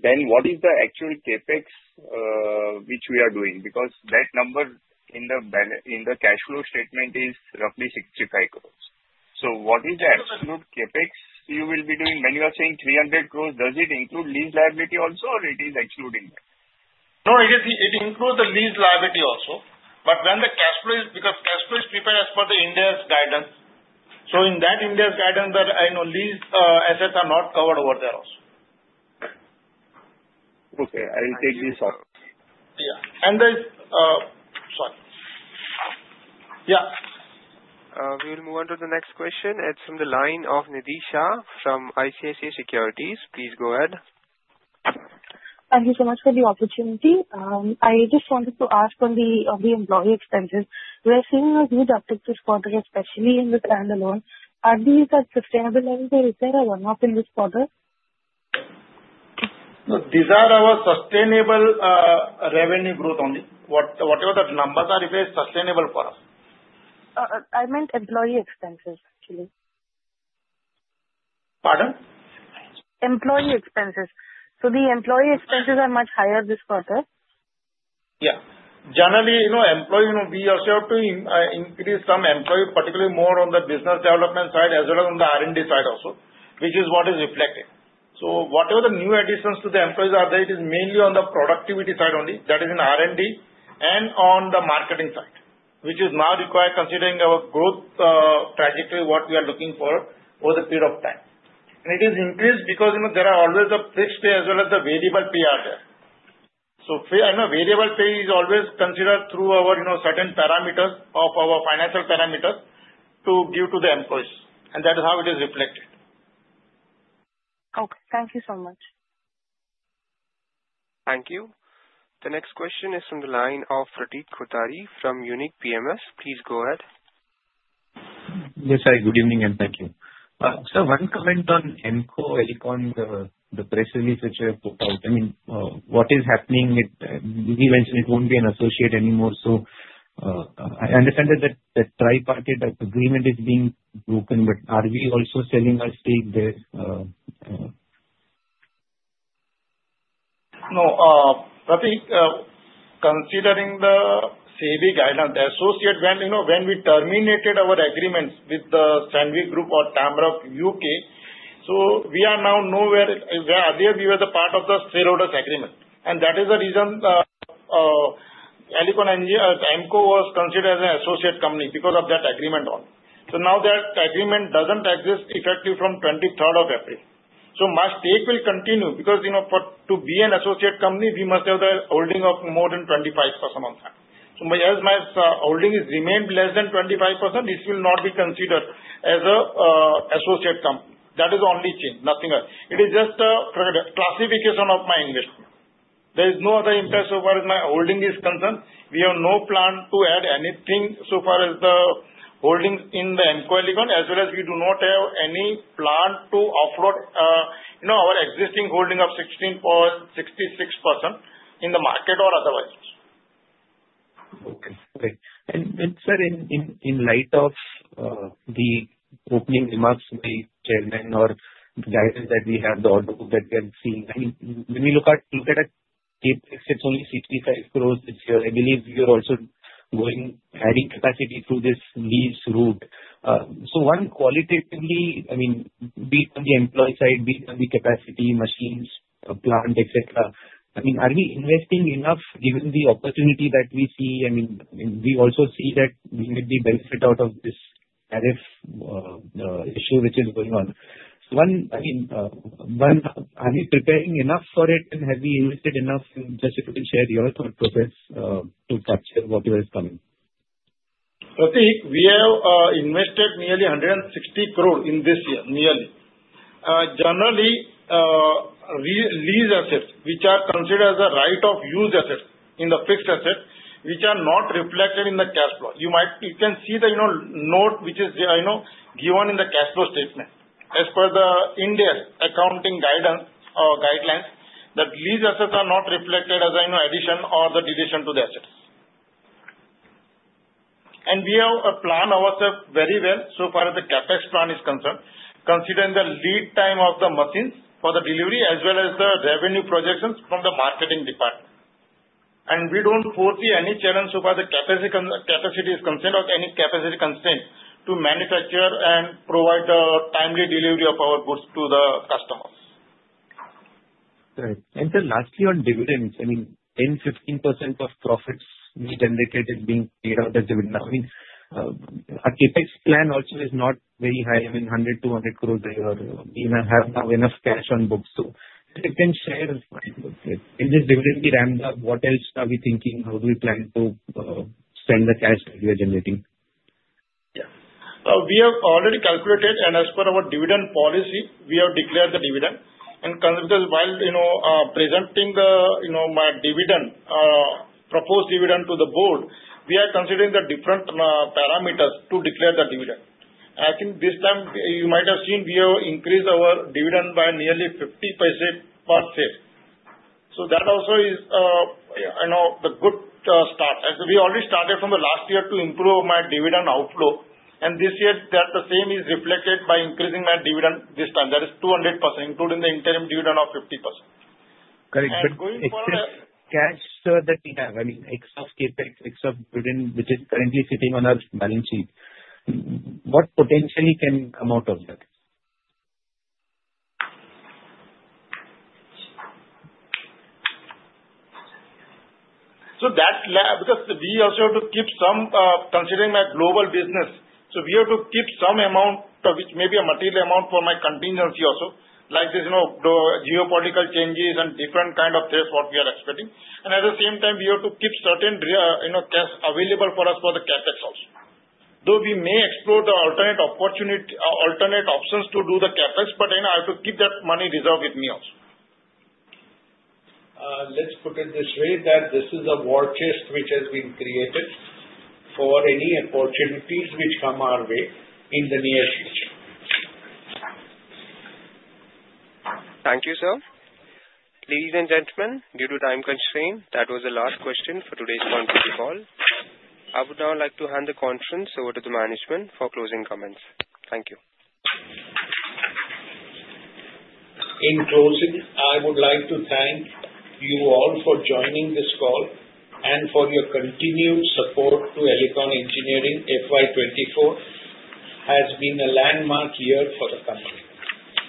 then what is the actual CapEx which we are doing? Because that number in the cash flow statement is roughly 65 crore. What is the absolute CapEx you will be doing? When you are saying 300 crore, does it include leased liability also, or is it excluding that? No, it includes the leased liability also. The cash flow is because cash flow is prepared as per the Ind AS guidance. In that Ind AS guidance, the leased assets are not covered over there also. Okay. I will take this off. Yeah. Sorry. Yeah. We will move on to the next question. It's from the line of Nidhi Shah from ICICI Securities. Please go ahead. Thank you so much for the opportunity. I just wanted to ask on the employee expenses. We are seeing a huge uptick this quarter, especially in the standalone. Are these at sustainable level? Is there a run-off in this quarter? No, these are our sustainable revenue growth only. Whatever the numbers are, if they're sustainable for us. I meant employee expenses, actually. Pardon? Employee expenses. Are the employee expenses much higher this quarter? Yeah. Generally, employee we are sure to increase some employee, particularly more on the business development side as well as on the R&D side also, which is what is reflected. Whatever the new additions to the employees are, that is mainly on the productivity side only. That is in R&D and on the marketing side, which is now required considering our growth trajectory, what we are looking for over the period of time. It is increased because there are always the fixed pay as well as the variable pay out there. Variable pay is always considered through our certain parameters of our financial parameters to give to the employees. That is how it is reflected. Okay. Thank you so much. Thank you. The next question is from the line of Pratik Kothari from Unique PMS. Please go ahead. Yes, hi. Good evening and thank you. Sir, one comment on Eimco Elecon, the press release which I have put out. I mean, what is happening? You mentioned it won't be an associate anymore. I understand that the tripartite agreement is being broken, but are we also selling our stake there? No, considering the SEBI guidance, the associate when we terminated our agreements with the Sandvik Group or Tamrock UK, we are now nowhere where earlier we were the part of the stakeholders' agreement. That is the reason Eimco was considered as an associate company because of that agreement only. Now that agreement does not exist effective from 23rd of April. My stake will continue because to be an associate company, we must have the holding of more than 25% on that. As my holding remained less than 25%, this will not be considered as an associate company. That is the only change. Nothing else. It is just a classification of my investment. There is no other interest so far as my holding is concerned. We have no plan to add anything so far as the holding in the Eimco Elecon, as well as we do not have any plan to offload our existing holding of 66% in the market or otherwise. Okay. Great. Sir, in light of the opening remarks by Chairman or the guidance that we have, the order book that we have seen, when we look at CapEx, it is only 65 crore. I believe you are also adding capacity through this lease route. Qualitatively, be it on the employee side, be it on the capacity, machines, plant, etc., are we investing enough given the opportunity that we see? We also see that we may benefit out of this tariff issue which is going on. Are we preparing enough for it, and have we invested enough? Just if you can share your thought process to capture what you are coming. Pratik, we have invested nearly 160 crore in this year, nearly. Generally, leased assets, which are considered as a right of use assets in the fixed asset, which are not reflected in the cash flow. You can see the note which is given in the cash flow statement. As per the Ind AS accounting guidelines, that leased assets are not reflected as addition or the deletion to the assets. We have planned ourselves very well so far as the CapEx plan is concerned, considering the lead time of the machines for the delivery as well as the revenue projections from the marketing department. We do not foresee any challenge so far as the capacity is concerned or any capacity constraint to manufacture and provide a timely delivery of our goods to the customers. Right. Sir, lastly, on dividends, I mean, 10%-15% of profits we generated is being paid out as dividend. I mean, our CapEx plan also is not very high, I mean, 100 crore-200 crore a year. We have now enough cash on books. If you can share in this dividend we ramped up, what else are we thinking? How do we plan to spend the cash that we are generating? Yeah. We have already calculated, and as per our dividend policy, we have declared the dividend. Because while presenting my proposed dividend to the Board, we are considering the different parameters to declare the dividend. I think this time, you might have seen we have increased our dividend by nearly 0.50 per share. That also is the good start. We already started from the last year to improve my dividend outflow. This year, the same is reflected by increasing my dividend this time. That is 200%, including the interim dividend of 50%. Correct. Going forward, cash that we have, I mean, except CapEx, except dividend, which is currently sitting on our balance sheet, what potentially can come out of that? Because we also have to keep some considering my global business. We have to keep some amount, which may be a material amount for my contingency also, like geopolitical changes and different kind of things what we are expecting. At the same time, we have to keep certain cash available for us for the CapEx also. Though we may explore the alternate options to do the CapEx, I have to keep that money reserve with me also. Let's put it this way that this is a war chest which has been created for any opportunities which come our way in the near future. Thank you, sir. Ladies and gentlemen, due to time constraint, that was the last question for today's quarterly call. I would now like to hand the conference over to the management for closing comments. Thank you. In closing, I would like to thank you all for joining this call and for your continued support to Elecon Engineering FY 2024. It has been a landmark year for the company.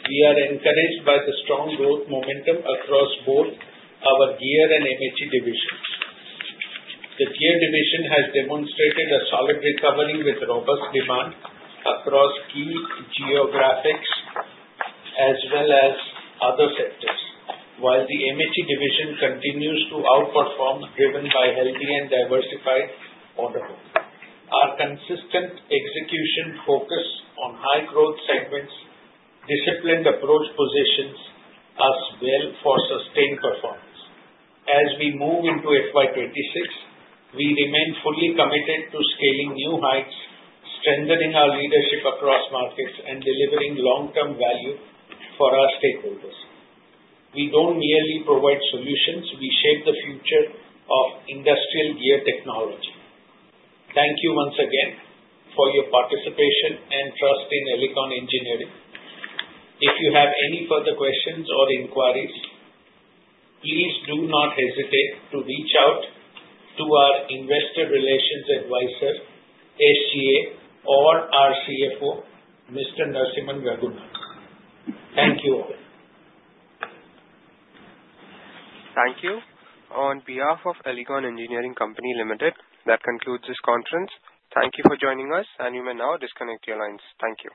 We are encouraged by the strong growth momentum across both Gear and MHE divisions. The Gear Division has demonstrated a solid recovery with robust demand across key geographies as well as other sectors. While the MHE Division continues to outperform, driven by a healthy and diversified order book, our consistent execution focus on high-growth segments and disciplined approach positions us well for sustained performance. As we move into FY 2026, we remain fully committed to scaling new heights, strengthening our leadership across markets, and delivering long-term value for our stakeholders. We do not merely provide solutions; we shape the future of industrial gear technology. Thank you once again for your participation and trust in Elecon Engineering. If you have any further questions or inquiries, please do not hesitate to reach out to our investor relations advisor, SGA, or our CFO, Mr. Narasimhan Raghunathan. Thank you all. Thank you. On behalf of Elecon Engineering Company Limited, that concludes this conference. Thank you for joining us, and you may now disconnect your lines. Thank you.